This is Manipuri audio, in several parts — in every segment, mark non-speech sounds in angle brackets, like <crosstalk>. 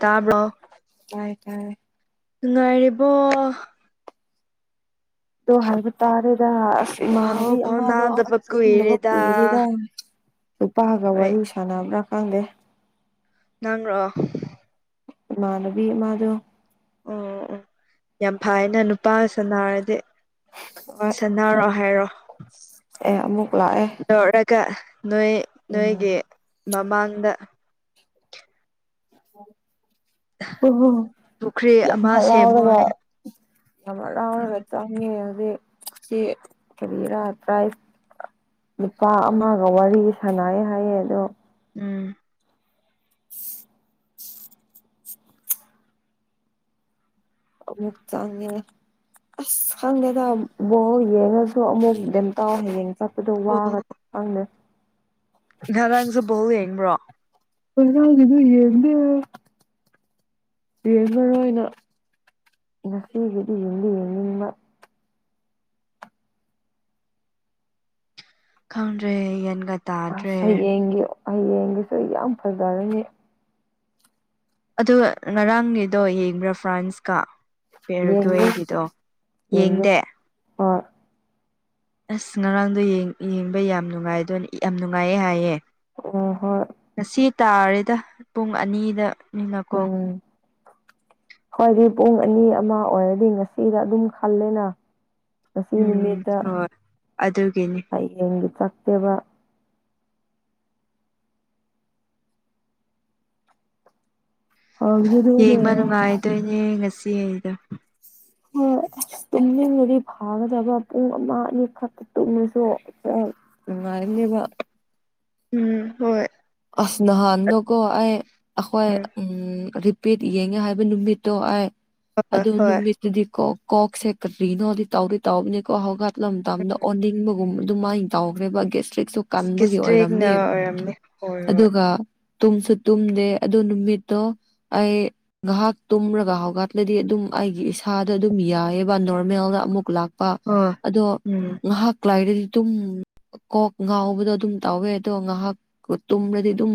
ꯇꯥꯕ꯭ꯔꯣ ꯇꯥꯏ ꯇꯥꯏ ꯅꯨꯡꯉꯥꯏꯔꯤꯕꯣ ꯗꯨ ꯍꯥꯏꯕꯥ ꯇꯔꯦꯗꯥ ꯑꯁ ꯄꯥꯎ ꯏꯃꯥꯟꯅꯕꯤ ꯑꯃꯥꯗꯣ ꯐꯥꯎꯅꯗꯕ ꯍꯗꯕ ꯀꯨꯏꯔꯦꯗ ꯀꯏꯕꯤꯗ ꯅꯨꯄꯥꯒ ꯍꯣꯏ ꯋꯥꯔꯤ ꯁꯥꯟꯅꯕ꯭ꯔꯥ ꯈꯪꯗꯦ ꯅꯪꯔꯣ ꯃꯥꯥꯟꯅꯕꯤ ꯑꯃꯥꯗꯣ ꯑꯣ ꯑꯣ ꯌꯥꯝ ꯐꯌꯦꯅ ꯅꯨꯄꯥꯒ ꯁꯅꯥꯔꯗꯤ ꯍꯣꯏ ꯁꯅꯔꯣ ꯍꯥꯏꯔꯣ ꯑꯦ ꯑꯃꯨꯛ ꯂꯥꯛ ꯑꯦ ꯂꯧꯧꯔꯒ ꯅꯣꯏ ꯅꯣꯏꯒꯤ ꯃꯃꯥꯡꯗ ꯍ ꯄꯨꯈ꯭ꯔꯤ ꯌꯥꯝ ꯑꯃ ꯁꯦꯝꯃꯣ ꯍꯔꯥꯎꯔꯒ ꯍꯥꯏꯌꯦ ꯑꯔꯅ ꯎꯝ ꯔꯠꯇꯉꯦ ꯑꯦ ꯁꯤ ꯀꯔꯤꯔꯥ ꯇ꯭ꯔꯥꯏ ꯂꯨꯄꯥ ꯑꯃꯒ ꯋꯥꯔꯤ ꯁꯥꯟꯅꯩ ꯍꯥꯏꯌꯦ ꯑꯗꯣ ꯎꯝ ꯅꯨꯛꯆꯥꯡ ꯑꯁ ꯈꯪꯗꯦꯗ ꯕꯣ ꯌꯦꯡꯉꯁꯨ ꯑꯃꯨꯛ ꯀꯩꯝꯇꯥꯎ ꯍꯌꯦꯡ ꯆꯠꯄꯗꯣ ꯑꯣ ꯋꯥꯒ ꯐꯪꯅꯦ ꯉꯔꯥꯡꯁꯨ ꯕꯧ ꯌꯦꯡꯕ꯭ꯔꯣ ꯍꯗꯨ ꯌꯦꯟꯗ ꯌꯦꯡ ꯃꯔ ꯑꯣꯏꯅ ꯉꯁꯤꯒꯤꯗꯤ ꯌꯦꯡꯗꯤ ꯌꯦꯡꯅꯤꯡꯕ ꯈꯣꯟ꯭ꯔꯤ ꯌꯦꯟꯒ ꯑꯁ ꯍꯌꯦꯡꯒꯤ ꯍꯌꯦꯡꯒꯤꯁꯨ ꯌꯥꯝ ꯐꯖꯔꯅꯤ ꯑꯣ ꯉꯔꯥꯡꯒꯤꯗꯣ ꯌꯦꯡꯕ꯭ꯔꯥ ꯐ꯭ꯔꯥꯟꯁꯀ ꯄꯦꯔꯒ ꯌꯦꯡꯒꯦ ꯑꯩꯒꯤꯗꯣ ꯌꯦꯡꯗꯦ ꯑ ꯑꯁ ꯉꯔꯥꯡꯗꯣ ꯌꯦꯡꯕ ꯌꯥꯝ ꯅꯨꯡꯉꯥꯏꯗꯣꯏꯅꯦ ꯌꯥꯝ ꯅꯨꯡꯉꯥꯏꯌꯦ ꯍꯥꯏꯌꯦ ꯑꯣ ꯍꯣꯏ ꯉꯁꯤ ꯇꯥꯔꯦꯗ ꯄꯨꯡ ꯑꯅꯤꯗꯅꯤꯅꯀꯣ ꯎꯝ ꯍꯣꯏꯗꯤ ꯄꯨꯡ ꯑꯅꯤ ꯑꯃ ꯑꯣꯏꯔꯗꯤ ꯉꯁꯤꯗ ꯑꯗꯨꯝ ꯈꯜꯂꯦꯅ ꯉꯁꯤ ꯎꯝ ꯅꯨꯃꯤꯠꯇ ꯍꯣꯏ ꯑꯗꯨꯒꯤꯅꯤ ꯍꯌꯦꯡꯒꯤ ꯆꯠꯇꯦꯕ ꯌꯦꯡꯕ ꯍꯥꯎꯒꯗꯕꯅꯦ ꯅꯨꯡꯉꯥꯏꯗꯣꯏꯅꯦ ꯉꯁꯤ ꯑꯩꯗ ꯍꯣꯏ ꯑꯁ ꯇꯨꯝꯅꯤꯡꯉꯗꯤ ꯐꯥꯒꯗꯕ ꯄꯨꯡ ꯑꯃ ꯑꯅꯤ ꯈꯛꯇ ꯇꯨꯝꯉꯁꯨ ꯅꯨꯉꯥꯏꯕꯅꯦꯕ ꯎꯝ ꯍꯣꯏ ꯑꯁ ꯅꯍꯥꯟ ꯅꯀꯣ ꯑꯩ ꯑꯩꯈꯣꯏ ꯍꯣꯏ ꯎꯝ ꯄꯠ ꯌꯦꯡꯉꯦ ꯍꯥꯏꯕ ꯅꯨꯃꯤꯠꯇꯣ ꯍꯥꯏ ꯑꯗꯨ ꯍꯣꯏ ꯅꯨꯃꯤꯠ ꯑꯗꯨꯗꯤ ꯀꯣꯛ ꯀꯣꯛꯁꯦ ꯀꯔꯤꯅꯣꯗꯤ ꯇꯧꯔꯤ ꯇꯥꯎꯕꯅꯦꯀꯣꯂꯝꯗ ꯑꯣꯟꯅꯤꯡꯕ ꯑꯗꯨꯃꯥꯏꯅ ꯇꯧꯈ꯭ꯔꯦꯕ ꯒꯦꯁꯇ꯭ꯔꯤꯛꯁꯨ ꯑꯁ ꯀꯟꯕꯒꯤ ꯒꯤꯁꯇ꯭ꯔꯤꯛꯅ ꯑꯣꯏꯔꯝꯅꯦꯕ ꯑꯣꯏꯔꯝꯅꯤ ꯍꯣꯏ ꯍꯣꯏ ꯑꯗꯨꯒ ꯇꯨꯝꯁꯨ ꯇꯨꯝꯗꯦ ꯑꯗꯨ ꯅꯨꯃꯤꯠꯇꯣ ꯑꯩ ꯉꯥꯏꯍꯥꯛ ꯇꯨꯝꯔꯒ ꯍꯧꯒꯠꯂꯗꯤ ꯑꯗꯨꯝ ꯑꯩꯒꯤ ꯏꯁꯥꯗ ꯑꯗꯨꯝ ꯌꯥꯏꯑꯕ ꯅꯣꯔꯃꯦꯜꯗ ꯑꯃꯨꯛ ꯂꯥꯛ ꯍꯣꯏ ꯑꯗꯣ ꯎꯝ ꯉꯥꯏꯍꯥꯛ ꯭ꯂꯥꯏꯗꯗꯤ ꯑꯗꯨꯝ ꯀꯣꯛ ꯉꯥꯎꯕꯗꯣ ꯑꯗꯨꯝ ꯇꯥꯎꯋꯦ ꯑꯗꯣ ꯉꯥꯏꯍꯥꯛ ꯇꯣꯨꯝꯔꯗꯤ ꯑꯗꯨꯝ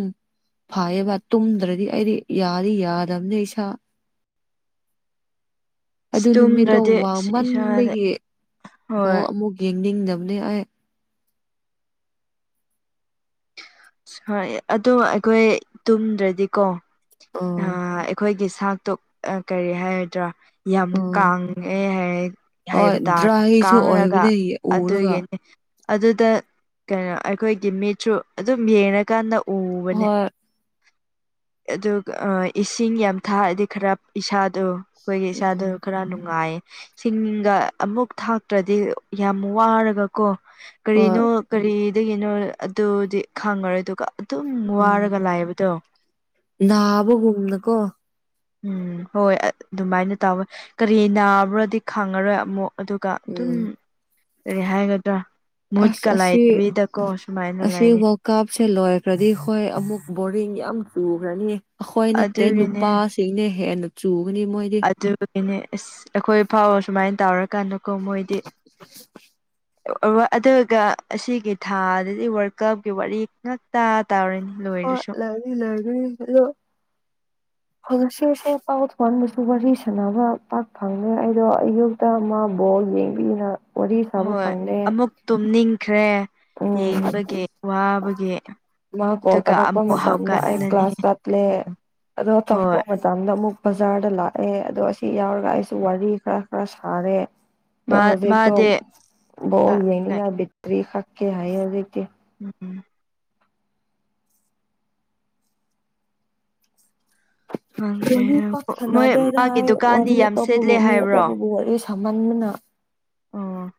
ꯐꯥꯏꯌꯦꯕ ꯇꯨꯝꯗ꯭ꯔꯗꯤ ꯑꯩꯗꯤ ꯌꯥꯗꯤ ꯌꯥꯗꯕꯅꯤ ꯏꯁꯥ ꯑꯗꯨ ꯅꯨꯃꯤꯠꯇꯣ ꯁꯇꯨꯝꯗ꯭ꯔꯗꯤ ꯏꯁꯥꯖꯦ ꯑꯣꯕꯣ ꯑꯃꯨꯛ ꯌꯦꯡꯅꯤꯡꯗꯕꯅꯦ ꯑꯩ ꯍꯣꯏ ꯑꯗꯣ ꯑꯩꯈꯣꯏ ꯇꯨꯝꯗ꯭ꯔꯗꯤꯀꯣ ꯎꯝ ꯑꯩꯈꯣꯏꯒꯤ ꯁꯥꯛꯇꯨ ꯀꯔꯤ ꯍꯥꯏꯒꯗ꯭ꯔꯥ ꯌꯥꯝ ꯎꯝ ꯀꯥꯡꯉꯦ ꯍꯥꯏ ꯍꯣꯏ ꯍꯥꯏꯕ ꯇꯥꯔꯦ ꯗ꯭ꯔꯥꯏꯁꯨ ꯀꯥꯡꯔꯒ ꯑꯣꯏꯕꯅꯦ ꯎꯔꯒ ꯑꯗꯨꯗꯒꯦꯅꯦ ꯑꯗꯨꯗ ꯀꯩꯅꯣ ꯑꯩꯈꯣꯏꯒꯤ ꯃꯤꯁꯨꯁꯨ ꯑꯗꯨꯝ ꯌꯦꯡꯉꯀꯥꯟꯗ ꯎꯕꯅꯦ ꯍꯣꯏ ꯑꯗꯨꯒ ꯏꯁꯤꯡ ꯌꯥꯝ ꯊꯥꯑꯗꯤ ꯈꯔ ꯏꯁꯥꯗꯣ ꯑꯩꯈꯣꯏꯒꯤ ꯏꯁꯆꯥꯗ ꯎꯝ ꯈꯔ ꯅꯨꯡꯉꯥꯏꯌꯦ ꯁꯤꯡꯒ ꯑꯃꯨꯛ ꯊꯥꯛꯇ꯭ꯔꯗꯤ ꯌꯥꯝ ꯋꯥꯔꯒꯀꯣ ꯍꯣꯏ ꯀꯔꯤꯅꯣ ꯀꯔꯤꯗꯒꯤꯅꯣ ꯑꯗꯨꯗꯤ ꯈꯪꯉꯔꯣꯏ ꯑꯗꯨꯒ ꯑꯗꯨꯝ ꯋꯥꯔꯒ ꯂꯥꯛꯑꯦꯕꯗꯣ ꯅꯥꯕꯒꯨꯅꯀꯣ ꯎꯝ ꯍꯣꯏ ꯑꯗꯨꯃꯥꯏꯅ ꯇꯧꯋꯦ ꯀꯔꯤ ꯅꯥꯕ꯭ꯔꯗꯤ ꯈꯪꯉꯔꯣꯏ ꯑꯃꯨꯛ ꯑꯗꯨꯒ ꯑꯗꯨꯝ ꯎꯝ ꯀꯔꯤ ꯍꯥꯏꯒꯗ꯭ꯔꯥ ꯑꯁ ꯃꯨꯠꯀ ꯂꯥꯏꯗꯕꯤꯗꯀꯣ ꯁꯨꯃꯥꯏꯅ ꯂꯩꯅꯤ ꯀꯥꯞꯁꯦ ꯂꯣꯏꯈ꯭ꯔꯗꯤ ꯍꯣꯏ ꯑꯃꯨꯛ ꯕꯣꯔꯤꯡ ꯌꯥꯝ ꯆꯨꯈ꯭ꯔꯅꯤ ꯑꯩꯈꯣꯏ ꯅꯠꯇꯦ ꯑꯗꯨꯒꯤꯅꯦ ꯅꯨꯄꯥ ꯅ ꯍꯦꯟꯅ ꯆꯨꯒꯅꯤ ꯃꯣꯏꯗꯤ ꯑꯗꯨꯒꯤꯅꯦ ꯑꯁ ꯑꯩꯈꯣꯏ ꯐꯥꯎꯕ ꯁꯨꯃꯥꯏꯅ ꯇꯧꯔꯀꯥꯟꯗꯀꯣ ꯃꯣꯏꯗꯤ ꯑꯗꯨꯒ ꯑꯁꯤꯒꯤ ꯊꯥꯗꯗꯤ ꯋꯥꯔ ꯀꯞꯀꯤ ꯋꯥꯔꯤ ꯉꯥꯛꯇꯥ ꯇꯥꯔꯤꯅꯤ ꯍꯣꯏ ꯂꯣꯔꯁꯨ ꯂꯩꯒꯅꯤ ꯂꯩꯒꯅꯤ <inaudible> ꯍ ꯉꯁꯤ ꯉꯁ ꯄꯥꯎ ꯊꯣꯡꯍꯟꯕꯁꯨ ꯋꯥꯔꯤ ꯁꯥꯟꯅꯕ ꯄꯥꯛ ꯐꯪꯉꯦ ꯑꯩꯗꯣ ꯑꯌꯨꯛ ꯇ ꯑꯃꯕꯣ ꯌꯦꯡꯕꯤꯅ ꯋꯥꯔꯤ ꯁꯥꯕ ꯍꯣꯏ ꯐꯪꯗꯦ ꯑꯃꯨꯛ ꯇꯨꯝꯅꯤꯡꯈ꯭ꯔꯦ ꯎꯝ ꯌꯦꯡꯕꯒꯤ ꯋꯥꯕꯒꯤ ꯃꯥ ꯀꯣꯜ ꯑꯗꯨꯒ ꯇꯔꯛꯄ ꯑꯃꯨꯛ ꯃꯇꯝꯗ ꯍꯧꯒꯠꯂꯅꯤ ꯀ꯭ꯂꯥꯁ ꯇꯗꯂꯦ ꯑꯗꯨꯣ ꯍꯣꯏ ꯇꯔꯄ ꯖꯝꯗ ꯑꯃꯨꯛ ꯕꯖꯥꯔꯗ ꯂꯥꯛꯑꯦ ꯑꯗꯣ ꯑꯁꯤ ꯌꯥꯎꯔꯒ ꯑꯩꯁꯨ ꯋꯥꯔꯤ ꯈꯔ ꯈꯔ ꯁꯥꯔꯦ ꯗ ꯃꯥ ꯍꯧꯖꯤꯛꯇꯣ ꯃꯥꯗꯤ ꯣ ꯌꯦꯅꯤ ꯇꯔꯤ ꯈꯛꯀꯦ ꯍꯥꯏꯌꯦ ꯍꯧ ꯎꯝ ꯋꯥꯔꯤ ꯎꯝ ꯃꯣꯏ ꯄꯥꯛꯊꯅꯗꯦꯗ ꯃꯥꯒꯤ ꯍꯥꯏ ꯗꯨꯀꯥꯟꯗꯤ ꯋꯥꯔꯤ ꯌꯥꯝ ꯑꯇꯣꯞꯄꯕꯨ ꯁꯦꯠꯂꯦ ꯃꯤ ꯍꯥꯏꯕ꯭ꯔꯣ ꯑꯇꯣꯞꯄꯕꯨ ꯋꯥꯔꯤ ꯁꯥꯝꯃꯟꯕꯅ ꯑꯣ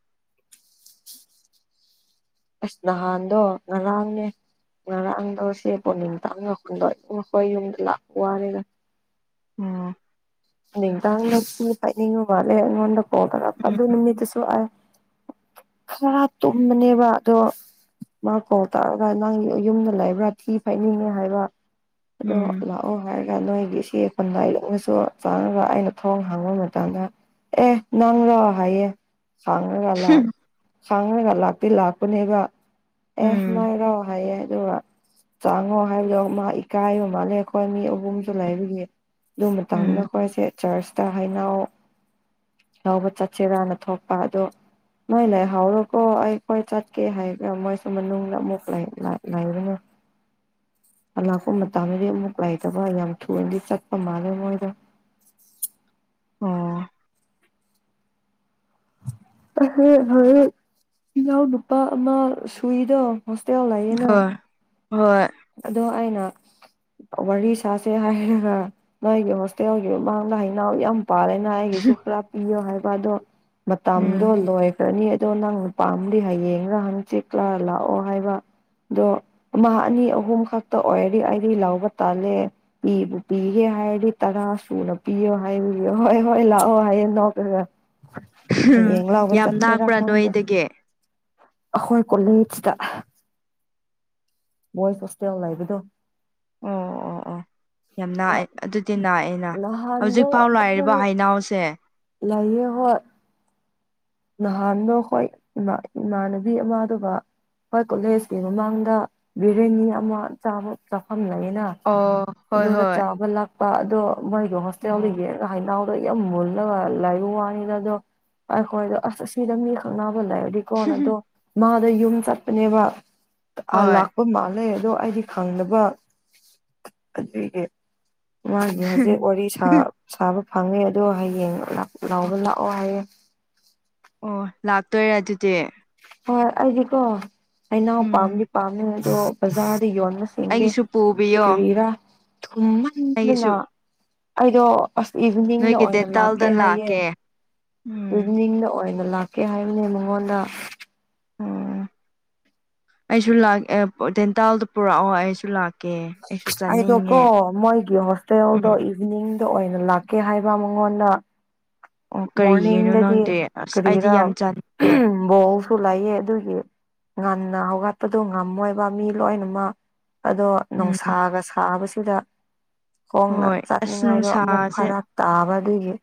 ꯑꯁ ꯅꯍꯥꯟꯗꯣ ꯉꯔꯥꯡꯅꯦ ꯉꯔꯥꯡꯗꯧꯁꯦ ꯄꯣꯅꯤꯡꯇꯪ ꯉꯈꯗꯣꯏ ꯑꯩꯈꯣꯏ ꯌꯨꯝꯗ ꯂꯥꯛ ꯋꯥꯔꯦꯒ ꯎꯝ ꯅꯤꯡꯗꯥꯡ ꯃꯥꯂꯦꯉꯣꯗꯗꯔ ꯑꯗꯨ ꯅꯨꯃꯤꯗꯨꯁꯨꯑ ꯈꯔ ꯇꯨꯝꯕꯅꯦꯕ ꯑꯗꯣ ꯃꯥ ꯄꯥꯎ ꯇꯥꯔꯒ ꯅꯪꯒꯤ ꯌꯨꯝꯗ ꯂꯩꯕ꯭ꯔꯥ ꯊꯤ ꯐꯩꯅꯤꯡꯉꯦ ꯍꯥꯏꯕ ꯑꯗꯣ ꯎꯝ ꯂꯥꯛꯑꯣ ꯍꯥꯏꯔꯒ ꯅꯣꯏꯒꯤ ꯁꯤꯈꯟ ꯉꯥꯏꯂꯣꯛꯅꯁꯨ ꯆꯥꯅꯕ ꯑꯩꯅ ꯊꯣꯡ ꯍꯥꯡꯕ ꯃꯇꯝꯗ ꯑꯦ ꯅꯪꯔꯣ ꯍꯥꯏꯌꯦ ꯁꯥꯡꯅꯒ ꯁꯥꯡꯅꯔꯒ ꯂꯥꯛꯇꯤ ꯂꯥꯛꯄꯅꯦꯕ ꯎꯝ ꯑꯦꯁ ꯥꯏꯔꯣ ꯐꯩꯌꯦ ꯑꯗꯨꯒ ꯆꯥꯉꯣ ꯍꯥꯏꯕꯗꯣ ꯃꯥ ꯏꯀꯥꯏꯕ ꯃꯥꯜꯂꯦ ꯑꯩꯈꯣꯏ ꯃꯤ ꯑꯍꯨꯝꯁꯨ ꯂꯩꯕꯒꯤ ꯂꯃ ꯇꯥꯡꯅ ꯎꯝ ꯆꯔꯆꯇ ꯍꯩꯅꯥꯎ ꯉꯎꯕ ꯆꯠꯁꯤꯔꯥꯅ ꯊꯣꯛꯄ ꯑꯗꯣ ꯅꯣꯏ ꯂꯩꯥꯏꯍꯥꯎꯔꯣꯀꯣ ꯑꯩꯈꯣꯏ ꯆꯠꯀꯦ ꯍꯥꯏꯒ ꯃꯣꯏꯁꯨ ꯃꯅꯨꯡꯗ ꯑꯃꯨꯛ ꯂꯩꯔꯨꯅꯨ <inaudible> ꯑ ꯂꯥꯛꯄ ꯃꯇꯝꯗꯗꯤ ꯑꯃꯨꯛ ꯂꯩꯥꯏꯇꯕ ꯌꯥꯝ ꯊꯨꯅꯗꯤ ꯆꯠꯄ ꯃꯥꯜꯂꯦ ꯃꯣꯏꯗ ꯑꯣ ꯍꯔ ꯏ ꯌꯥꯎ ꯅꯨꯄꯥ ꯑꯃꯥ ꯁꯨꯏꯗ ꯍꯣꯇꯦ ꯂꯩꯦ ꯍꯣꯏ ꯍꯣꯏ ꯑꯗꯣ ꯑꯩꯅ ꯋꯥꯔꯤ ꯁꯥꯥꯁꯦ ꯍꯥꯏꯔꯒ ꯅꯣꯏꯒꯤ ꯍꯣꯁꯇꯦꯜꯒꯤ ꯃꯃꯥꯡꯗ ꯍꯅꯥꯎ ꯌꯥꯝ ꯄꯥꯔꯦꯅ ꯑꯩꯒꯤꯁꯨ ꯈꯔ ꯄꯤꯌꯣ ꯍꯥꯏꯕ ꯑꯗꯣ ꯎꯝ ꯃꯇꯝꯗꯣ ꯂꯣꯏꯈ꯭ꯔꯅꯤ ꯑꯗꯣ ꯅꯪ ꯅꯨꯄꯥꯝꯗꯤ ꯍꯌꯦꯡꯒ ꯍꯪꯆꯤꯛꯂ ꯂꯥꯛꯑꯣ ꯍꯥꯏꯕ ꯑꯗꯣ ꯑꯃ ꯑꯅꯤ ꯑꯍꯨꯝ ꯈꯛꯇ ꯑꯣꯏꯔꯤ ꯑꯩꯔꯤ ꯂꯥꯎꯕ ꯇꯥꯜꯂꯦ ꯄꯤꯕꯨ ꯄꯤꯒꯦ ꯍꯥꯏꯔꯗꯤ ꯇꯔꯥ ꯁꯨꯅ ꯄꯤꯌꯣ ꯍꯥꯏꯕ ꯍꯣꯏ ꯍꯣꯏ ꯂꯥꯛꯑꯣ ꯍꯥꯏꯌꯦꯡ ꯅ ꯌꯦ ꯂꯒ ꯌꯥꯝ ꯆꯠꯆꯦꯔ ꯅꯥꯛꯄ꯭ꯔꯥ ꯈꯗ ꯅꯣꯏꯗꯒꯤ ꯑꯩꯈꯣꯏ ꯀꯣꯂꯦꯁꯤꯗ ꯣꯏꯁꯁꯇꯦ ꯑꯣꯏꯜꯂꯥꯏꯕꯤꯗꯣ ꯑꯣ ꯑꯣ ꯑꯣ ꯑꯣ ꯌꯥꯝ ꯂꯥꯛꯑꯦ ꯑꯗꯨꯗꯤ ꯥꯛꯑꯦ ꯅꯍꯥꯟꯗꯣ ꯍꯧꯖꯤꯛ ꯐꯥꯎ ꯂꯥꯛꯔꯤꯕ ꯍꯩꯅꯥꯎꯁꯦ ꯂꯩꯥꯏꯌꯦ ꯍꯣꯏ ꯅꯍꯥꯟꯗꯣ ꯍꯣꯏ ꯏꯃꯥꯟꯅꯕꯤ ꯑꯃꯗꯨꯕ ꯑꯩꯣꯏ ꯀꯣꯂꯦꯖꯀꯤ ꯃꯃꯥꯡꯗ ꯕꯤꯔꯌꯥꯅꯤ ꯑꯃ ꯆꯥꯕ ꯆꯥꯐꯝ ꯂꯩꯅ ꯑꯣ ꯍꯣꯏ ꯑꯗꯨꯗ ꯍꯣꯏ ꯆꯥꯕ ꯂꯥꯛꯄ ꯑꯗꯣ ꯃꯣꯏꯗꯣ ꯑꯣ ꯍꯣꯁꯇꯦꯜꯗ ꯍꯅꯥꯎꯗꯣ ꯌꯥꯝ ꯃꯨꯜꯂꯒ ꯂꯩꯥꯏ ꯋꯥꯅꯤꯗꯗꯣ ꯑꯩꯈꯣꯏꯗ ꯑꯁ ꯑꯁꯤꯗ ꯃꯤ ꯈꯛ ꯅꯕ ꯂꯩꯔꯗꯤꯀꯣ ꯑꯗꯣ ꯃꯥꯗ ꯌꯨꯝ ꯆꯠꯄꯅꯦꯕ ꯑ ꯍꯣꯏ ꯂꯥꯛꯄ ꯃꯥꯜꯂꯦ ꯑꯗꯣ ꯑꯩꯗꯤ ꯈꯪꯅꯕ ꯑꯗꯨꯒꯤ ꯒꯤ ꯍꯧꯖꯤꯦ ꯋꯥꯔꯤ ꯁꯥ ꯁꯥꯕ ꯐꯪꯉꯦ ꯑꯗꯣ ꯍꯌꯦꯡ ꯂꯥꯎꯕ ꯂꯥꯛꯑꯣ ꯍꯥꯏꯌꯦꯦ ꯑꯣ ꯂꯥꯛꯇꯣꯏꯔꯦ ꯑꯗꯨꯗꯤ ꯍꯣꯏ ꯑꯩꯁꯤꯀꯣ ꯑꯩꯅꯥꯎ ꯎꯝ ꯄꯥꯝꯗꯤ ꯄꯥꯝꯃꯦ ꯑꯗꯣ ꯕꯖꯥꯔꯗ ꯌꯣꯟꯕ ꯈꯪꯗꯦ ꯑꯩꯒꯤꯁꯨ ꯄꯨꯕꯤꯌꯣ ꯀꯔꯤꯔꯥ ꯊꯨꯝꯍꯟꯗꯅ ꯑꯩꯒꯤꯁꯨ ꯑꯩꯗꯣ ꯑꯁ ꯏꯚꯤꯅꯤꯡꯗ ꯅꯣꯏꯒꯤ ꯑꯣꯏꯅ ꯗꯦꯟꯇꯥꯜꯗ ꯂꯥꯛꯀꯦ ꯍꯥꯏꯌꯦ ꯎꯝ ꯏꯚꯤꯅꯤꯡꯗ ꯑꯣꯏꯅ ꯂꯥꯛꯀꯦ ꯀꯩ ꯍꯥꯏꯔꯤꯕꯅꯦ ꯃꯉꯣꯟꯗ ꯑꯣ ꯑꯩꯁꯨ ꯇꯦꯟꯇꯥꯜꯗ ꯄꯨꯔꯛꯑꯣ ꯑꯩꯁꯨ ꯂꯥꯛꯀꯦ ꯑꯩꯁꯨ ꯑꯦꯗ ꯀꯣ ꯆꯥꯅꯤꯡꯉꯦ ꯃꯣꯏ ꯀ ꯍꯣ ꯇꯨꯋꯦꯜꯗꯣ ꯎꯝ ꯏꯚꯤꯅꯤꯡꯗ ꯑꯣꯏꯅ ꯂꯥꯛꯀꯦ ꯍꯥꯏꯕ ꯃꯉꯣꯟꯗ ꯑꯣ ꯀꯔꯤꯒꯤꯅꯣ ꯃꯣꯔꯅꯤꯡꯗꯗꯤ ꯅꯪꯗꯤ ꯑꯁ ꯑꯩꯗꯤ ꯀꯔꯤꯔꯥ ꯌꯥꯝ ꯆꯥꯅꯤꯡꯉꯦ ꯕꯣꯡꯁꯨ ꯂꯥꯛꯑ ꯑꯗꯨꯒꯤ ꯉꯟꯅ ꯍꯧꯒꯠꯄꯗꯨꯣ ꯉꯝꯃꯣꯏꯕ ꯃꯤ ꯂꯣꯏꯅꯃꯛ ꯑꯗꯣ ꯎꯝ ꯅꯨꯡꯁꯥꯒ ꯁꯥꯕꯁꯤꯗ ꯈꯣꯡꯅ ꯍꯣꯏ ꯑꯁ ꯆꯠꯅꯤꯡꯉꯥꯏꯗꯣ ꯑꯃꯨꯛ ꯅꯨꯡꯁꯥꯁꯦ ꯐꯔꯛ ꯇꯥꯕ ꯑꯗꯨꯦ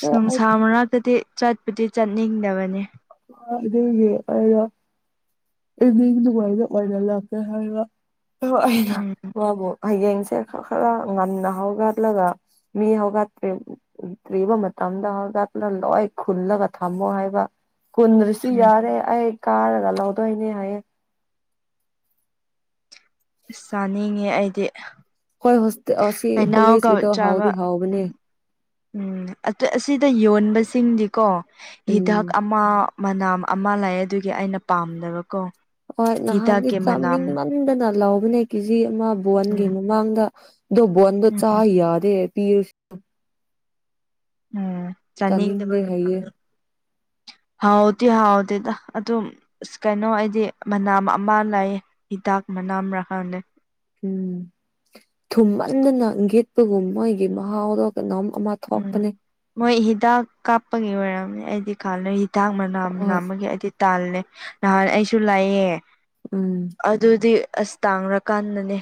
ꯑ ꯑꯩ ꯅꯨꯡꯁꯥ ꯃꯔꯅꯥꯛꯇꯗꯤ ꯆꯠꯄꯗꯤ ꯆꯠꯅꯤꯡꯗꯕꯅꯦ ꯗ ꯍꯥꯏꯒ ꯑꯦꯗꯤꯃꯏꯗ ꯐꯗ ꯂꯥꯛꯄ ꯍꯥꯏꯒ ꯑꯣ ꯎꯝ ꯋꯥꯕꯨ ꯍꯌꯦꯡꯁꯦ ꯈꯔ ꯉꯟꯅ ꯍꯧꯒꯠꯂꯒ ꯃꯤ ꯍꯧꯒꯠꯄꯔꯤ ꯇꯕ ꯃꯇꯝꯗ ꯍꯖꯅ ꯂꯣꯏ ꯈꯨꯜꯂꯒ ꯊꯝꯃꯣ ꯍꯥꯏꯕ ꯀꯨꯟꯗ꯭ꯔꯁꯤ ꯎꯝ ꯌꯥꯔꯦ ꯑꯩ ꯀꯥꯔꯒ ꯂꯧꯗꯣꯏꯅꯦ ꯍꯥꯏꯌꯦꯦ ꯆꯥꯅꯤꯡꯉꯦ ꯑꯩꯗꯤ ꯍꯣꯏ ꯍꯣꯁꯇ ꯑꯁꯤ ꯍꯩꯅꯥꯎꯒ ꯀꯣꯂꯦꯖꯁꯤꯗ ꯆꯥꯕ ꯍꯥꯎꯗꯤ ꯍꯥꯎꯕꯅꯦ ꯎꯝ ꯑꯁꯤꯗ ꯌꯣꯟꯕꯁꯤꯡꯗꯤꯀꯣ ꯎꯝ ꯍꯤꯗꯥꯛ ꯑꯃ ꯃꯅꯥꯝ ꯑꯃ ꯂꯥꯛꯑꯦ ꯑꯗꯨꯒꯤ ꯑꯩꯅ ꯄꯥꯝꯗꯕꯀꯣ ꯍꯣꯏ ꯅꯍꯥꯟꯗꯤ ꯍꯤꯗꯥꯛꯀꯤ ꯃꯅꯥꯝ ꯆꯥꯃꯤꯡ ꯉꯟꯗꯅ ꯂꯧꯕꯅꯦ ꯀꯦꯖꯤ ꯑꯃ ꯕꯣꯟꯒꯤ ꯎꯝ ꯃꯃꯥꯡꯗ ꯗꯣꯕꯣ ꯑꯟꯗ ꯆꯥ ꯎꯝ ꯌꯥꯗꯌꯦ ꯄ ꯎꯝ ꯆꯥꯅꯤꯡꯗꯦ ꯆꯥꯅꯤꯡꯗꯕꯅꯤ ꯍꯥꯏꯌꯦ ꯍꯥꯎꯗꯤ ꯍꯥꯎꯥꯎ ꯑꯣ ꯑꯁ ꯀꯩꯅꯣ ꯍꯥꯏꯗꯤ ꯃꯅꯥꯝ ꯑꯃ ꯂꯩ ꯍꯤꯗꯥꯛ ꯃꯅꯥꯝꯔꯀꯥꯟꯗꯩ ꯎꯝ ꯊꯨꯝꯃꯟꯗꯅꯪꯒꯦꯠꯄꯒꯨꯝ ꯃꯣꯏꯒꯤ ꯃꯍꯥꯎꯗꯣ ꯀꯅꯥꯣꯝ ꯑꯃ ꯎꯝ ꯊꯣꯄꯅꯦ ꯃꯣꯏ ꯍꯤꯗꯥꯛ ꯀꯥꯞꯄꯒꯤ ꯑꯣꯏꯔꯝꯅꯤ ꯑꯩꯗꯤ ꯀꯥꯟꯅꯣꯏ ꯍꯤꯗꯥꯛ ꯃꯅꯥ ꯍꯣꯏ ꯅꯥꯝꯃꯒꯤꯗꯤ ꯇꯥꯜꯅꯦ ꯅꯍꯥꯟ ꯑꯩꯁꯨ ꯂꯥꯛꯑꯦ ꯎꯝ ꯑꯗꯨꯗꯤ ꯑꯁ ꯇꯥꯡꯔꯀꯥꯟꯗꯅꯦ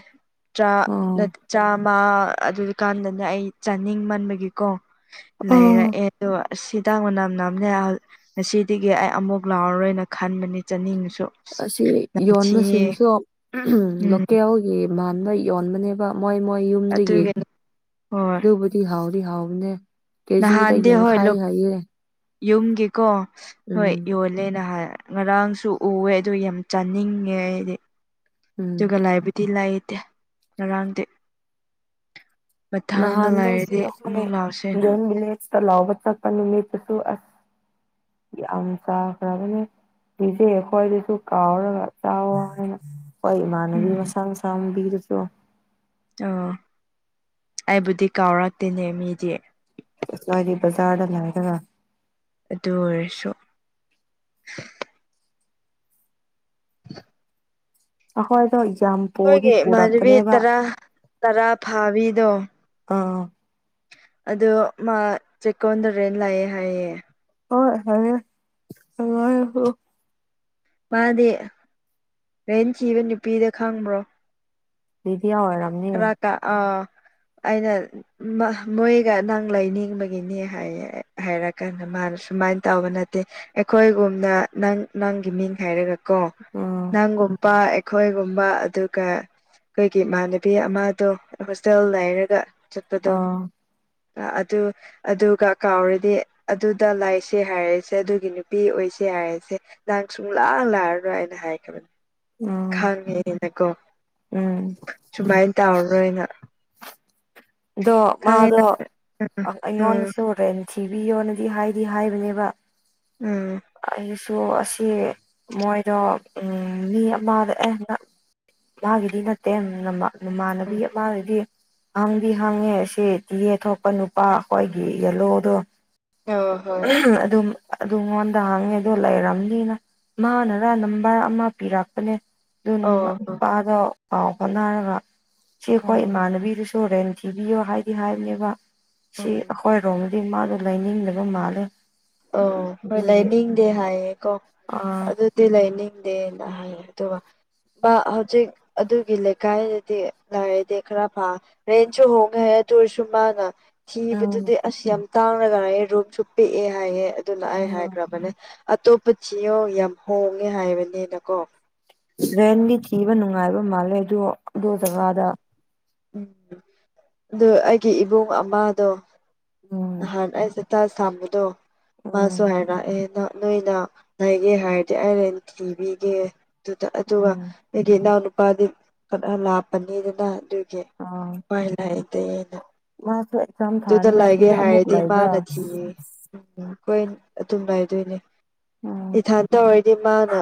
ꯑꯥ ꯆꯥꯃ ꯑꯃ ꯑꯗꯨ ꯀꯥꯟꯗꯅ ꯑꯩ ꯆꯥꯅꯤꯡ ꯃꯟꯕꯒꯤꯀꯣ ꯑꯥ ꯂꯩꯔꯛꯑꯦ ꯑꯗꯣ ꯁꯤꯇꯥꯡ ꯃ ꯅꯝ ꯅꯝ ꯂꯩ ꯉꯁꯤꯗꯒꯤ ꯑꯩ ꯑꯃꯨꯛ ꯂꯥꯎꯔꯣꯏꯅ ꯈꯟꯕꯅꯤ ꯆꯥꯅꯤꯡꯉꯁꯨ ꯑꯁꯤ ꯅꯝꯊꯤꯌꯦ ꯌꯣꯟꯕꯁꯤꯡꯁꯨ ꯎꯝ ꯂꯣꯀꯦꯜꯒꯤ ꯃꯥꯟꯕ ꯌꯣꯟꯕꯅꯦꯕ ꯃꯣꯏ ꯃꯣꯏ ꯌꯨꯝꯗꯒꯤ ꯑꯗꯨꯒꯤꯅꯤ ꯍꯣꯏ ꯑꯗꯨꯕꯨꯗꯤ ꯍꯥꯎꯗꯤ ꯍꯥꯎꯕꯅꯦ ꯀꯦꯖꯤꯗ ꯅꯍꯥꯟꯗꯤ ꯍꯣꯏ ꯌꯦꯡꯈꯥꯏ ꯍꯥꯏꯌꯦ ꯌꯨꯝꯒꯤꯀꯣ ꯍꯣꯏ ꯎꯝ ꯌꯣꯜꯂꯦꯅ ꯍꯥꯏ ꯉꯔꯥꯡꯁꯨ ꯎꯑꯦ ꯑꯗꯨ ꯌꯥꯝ ꯆꯥꯅꯤꯡꯉꯦ ꯍꯥꯏꯗꯤ ꯎꯝ ꯑꯗꯨꯒ ꯂꯥꯏꯕ ꯗꯤ ꯂꯩꯥꯏꯌꯦꯇꯦ ꯉꯔꯥꯡꯗꯤ ꯃꯊꯥꯡꯗ ꯅꯍꯥꯟꯗꯣ ꯁꯤ ꯂꯥꯏꯔꯗꯤ ꯑꯩꯈꯣꯏ ꯑꯃꯨꯛ ꯂꯥꯎꯁꯦꯅ ꯒꯦꯝ ꯚꯤꯂꯦꯖꯇ ꯂꯥꯎꯕ ꯆꯠꯄ ꯅꯨꯃꯤꯠꯇꯨꯁꯨ ꯑꯁ ꯌꯥꯝ ꯆꯥꯈ꯭ꯔꯕꯅꯦ ꯏꯆꯦ ꯑꯩꯈꯣꯏꯗꯁꯨ ꯀꯥꯎꯔꯒ ꯆꯥꯎꯋ ꯍꯥꯏꯅ ꯍꯣꯏ ꯏꯃꯥꯟꯅꯕꯤ ꯎꯝ ꯃꯁꯥ ꯃꯁꯥꯡ ꯄꯕꯤꯔꯁꯨꯣ ꯑꯣ ꯑꯩꯕꯨꯗꯤ ꯀꯥꯎꯔꯛꯇꯦꯅꯦ ꯃꯤꯗꯤ ꯂꯗꯤ ꯕꯖꯔ ꯂꯗ ꯑꯗꯨ ꯑꯣꯏꯔꯁꯨ <inaudible> ꯑꯩꯈꯣꯏꯗ ꯌꯥꯝꯝ ꯑꯩꯈꯣꯏꯒꯤ ꯃꯕꯤ ꯇꯔꯥ ꯇꯔꯥ ꯐꯥꯕꯤꯗꯣ ꯑ ꯑꯗꯣ ꯃꯥ ꯆꯦꯛꯀꯣꯟꯗꯔꯦꯅ ꯂꯥꯛꯑꯦ ꯍꯥꯏꯌꯦ ꯍ ꯍ ꯍ ꯍ ꯃꯥꯗꯤ ꯔꯦꯟ ꯊꯤꯕ ꯅꯨꯄꯤꯗ ꯈꯪꯕ꯭ꯔꯣ ꯕꯤꯗꯤꯌꯥ ꯑꯣꯏꯔꯝ ꯈꯔ ꯀ ꯑ ꯑꯩꯅ ꯃꯣꯏꯒ ꯑ ꯅꯪ ꯂꯥꯏꯅꯤꯡꯕꯒꯤꯅꯦ ꯍꯥꯏꯔꯀꯥꯟꯗ ꯃꯥꯅ ꯁꯨꯃꯥꯏꯅ ꯇꯧꯕ ꯅꯠꯇꯦ ꯑꯩꯈꯣꯏꯒꯨꯝꯅ ꯅꯪ ꯅꯪꯒꯤ ꯃꯤꯡ ꯍꯥꯏꯔꯒ ꯀꯣ ꯎꯝ ꯅꯪꯒꯨꯝꯕ ꯑꯩꯈꯣꯏꯒꯨꯝꯕ ꯑꯗꯨꯒ ꯑꯩꯈꯣꯏꯒꯤ ꯏꯃꯥꯟꯅ ꯅꯨꯄꯤ ꯑꯃꯗꯣ ꯍꯣꯁꯇꯦꯜ ꯂꯩꯔꯒ ꯆꯠꯄꯗꯣ ꯑꯥ ꯑꯗꯨ ꯑꯗꯨꯒ ꯀꯥꯎꯔꯗꯤ ꯑꯗꯨꯗ ꯂꯥꯏꯁꯦ ꯍꯥꯏꯔꯁꯦ ꯑꯗꯨꯒꯤ ꯅꯨꯄꯤ ꯑꯣꯏꯁꯦ ꯍꯥꯏꯔꯁꯦ ꯂꯪ ꯆꯨꯡ ꯂꯥꯛ ꯂꯥꯔꯥꯏꯩꯅꯅ ꯍꯌꯦ ꯈꯕꯅꯤ ꯎ ꯈꯪꯉꯦꯅꯀꯣ ꯎꯝ ꯁꯨꯃꯥꯏꯅ ꯇꯧꯔꯔꯣꯏꯅ ꯑꯗꯣ ꯃꯥꯗꯣ ꯈꯪꯉꯦ ꯎꯝ ꯑꯩꯉꯣꯟꯗꯁꯨ ꯔꯦꯟ ꯊꯤꯕꯤꯌꯣꯅꯗꯤ ꯍꯥꯏꯗꯤ ꯍꯥꯏꯕꯅꯦꯕ ꯎꯝ ꯑꯩꯁꯨ ꯑꯁꯤ ꯃꯣꯏꯗꯣ ꯎꯝ ꯃꯤ ꯑꯃꯗ ꯑꯦ ꯃꯥꯒꯤꯗꯤ ꯅꯠꯇꯦ ꯅꯃꯥꯟꯅꯕꯤ ꯎꯝ ꯃꯥꯒꯤꯗꯤ ꯑꯪꯗꯤ ꯍꯪꯉꯦ ꯁꯤ ꯇꯤꯌꯦ ꯊꯣꯛꯄ ꯅꯨꯄꯥ ꯑꯩꯈꯣꯏꯒꯤ ꯌꯦꯜꯂꯣꯗꯣ ꯑꯣ ꯍꯣꯏ ꯑꯗꯨꯝ ꯑꯗꯨꯝꯣꯟ ꯇ ꯍꯥꯡꯉꯦꯗꯣ ꯂꯩꯔꯕꯝꯅꯤꯅ ꯃꯥꯅꯔ ꯅꯝꯕꯔ ꯑꯃ ꯄꯤꯔꯛꯄꯅꯦ ꯑꯗꯨ ꯑꯣ ꯍꯣ ꯅꯨꯄꯥꯗꯣ ꯄꯥꯎ ꯍꯣꯠꯅꯔꯕ ꯁꯤ ꯑꯩꯈꯣꯏ ꯎꯝ ꯏꯃꯥꯟꯅꯕꯤꯗꯨꯁꯨ ꯇꯣꯔꯦꯟ ꯊꯤꯕꯤꯌꯣ ꯍꯥꯏꯗꯤ ꯍꯥꯏꯕꯅꯦꯕ ꯁꯤ ꯎꯝ ꯑꯩꯈꯣꯏꯔꯣꯝ ꯑꯗꯤ ꯃꯥꯗꯣ ꯂꯥꯏꯅꯤꯡꯗꯕ ꯃꯥꯜꯂꯦ ꯑ ꯍꯣꯏ ꯑꯗꯨꯒꯤ ꯂꯩꯅꯤꯡꯗꯦ ꯍꯥꯏꯌꯦ ꯀꯣ ꯑ ꯑꯗꯨꯗꯤ ꯂꯩꯅꯤꯡꯗꯦꯅ ꯍꯥꯏ ꯑꯗꯨꯒ ꯍꯧꯖꯤꯛ ꯑꯗꯨꯒꯤ ꯂꯩꯀꯥꯏꯗꯗꯤ ꯂꯥꯏꯔꯗꯤ ꯈꯔ ꯐ ꯔꯦꯟꯁꯨ ꯍꯣꯡꯒ ꯍ ꯇꯔꯁꯨꯃꯥꯡꯉ ꯎꯝ ꯊꯤꯕꯗꯨꯗꯤ ꯑꯁ ꯌꯥꯝ ꯇꯥꯡꯅꯒꯌꯦ ꯔꯨꯝꯁꯨ ꯄꯤꯛꯑꯦ ꯍꯥꯏꯌꯦꯦ ꯑꯗꯨꯅ ꯑꯩ ꯎꯝ ꯍꯥꯏꯈ꯭ꯔꯕꯅꯦ ꯑꯇꯣꯞꯄ ꯆꯤꯌꯣ ꯌꯥꯝ ꯍꯣꯡꯉꯦ ꯍꯥꯏꯕꯅꯤꯅꯀꯣ ꯔ꯭ꯔꯦꯟꯒꯤ ꯊꯤꯕ ꯅꯨꯡꯉꯥꯏꯕ ꯃꯥꯜꯂꯦ ꯑꯗꯣ ꯑꯗꯨꯗ ꯖꯒꯥꯗ ꯎꯝ ꯑꯗꯨ ꯑꯩꯒꯤ ꯏꯕꯨꯡ ꯑꯃꯗꯣ ꯎꯝ ꯅꯍꯥꯟ ꯑꯩꯁꯦ ꯇ ꯁꯝꯕꯗꯣ ꯎꯝ ꯃꯥꯁꯨ ꯍꯥꯏꯔꯛꯑꯦꯅ ꯅꯣꯏꯅ ꯂꯩꯒꯦ ꯍꯥꯏꯔꯗꯤ ꯑꯔꯦꯟ ꯊꯤꯕꯤꯒꯦ ꯑꯗꯨꯗ ꯑꯗꯨꯒ ꯎꯝ ꯑꯩꯒꯤ ꯏꯅꯥꯎꯅꯨꯄꯥꯗꯤ ꯀꯠ ꯂꯥꯞꯄꯅꯤꯗꯅ ꯑꯗꯨꯒꯤ ꯋꯥꯏ ꯂꯇ ꯑꯩꯅ ꯃꯥꯁ ꯑꯗꯨꯗ ꯂꯩꯒꯦ ꯍꯥꯏꯔꯗꯤ ꯃꯥꯅ ꯊꯤꯌꯦ ꯎꯝ ꯑꯩꯈꯣꯏ ꯑꯗꯨꯝ ꯂꯩꯗꯣꯏꯅꯦ ꯎꯝ ꯏꯊꯥꯟ ꯇꯧꯔꯗꯤ ꯃꯥꯅ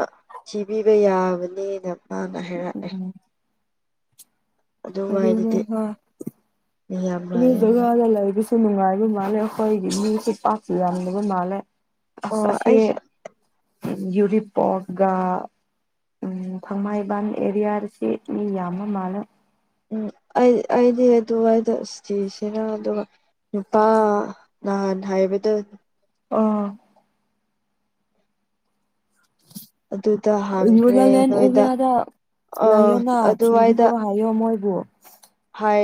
ꯊꯤꯕꯤꯕ ꯌꯥꯕꯅꯤꯅ ꯑꯅ ꯍꯥꯏꯔꯦ ꯎꯝ ꯃ ꯃꯤꯌꯥꯝ ꯂꯩꯌꯦꯅ ꯍꯥꯖꯒꯗ ꯁ ꯅꯨꯡꯉꯥꯏꯕ ꯃꯥꯜꯂꯦ ꯑꯩꯈꯣꯏꯗꯤ ꯃꯤꯁꯨ ꯄꯥꯛꯁꯨ ꯌꯥꯝꯗꯕ ꯃꯥꯜꯂꯦ ꯑꯁ ꯑꯣ ꯇꯁ ꯑꯩꯁꯨ ꯌꯨꯔꯤꯄꯣꯔꯒ ꯊꯥꯡꯃꯥꯏꯕꯟ ꯑꯦꯔꯤꯌꯥꯁꯤ ꯃꯤ ꯌꯥꯝꯕ ꯃꯥꯜꯂ ꯎꯝ ꯑꯩ ꯑꯩꯗꯤ ꯑꯗꯨꯋꯥꯏꯗꯇꯤꯁꯤꯔ ꯑꯗꯨꯒ ꯅꯨꯄꯥ ꯅꯍꯥꯟ ꯍꯥꯏꯕꯗ ꯑ ꯑꯗꯨꯗ ꯌꯖꯥ ꯍꯥꯡꯈ꯭ꯔꯦ ꯂꯦꯟ ꯅꯣꯏꯗ ꯎꯒ ꯑ ꯂ ꯑꯣ ꯆꯤꯔꯤ ꯑꯗꯨꯋꯥꯏꯗ ꯍꯥꯏꯌꯣ ꯃꯣꯏꯕꯨꯣ ꯍꯥꯏ